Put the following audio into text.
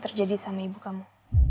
terjata selama ini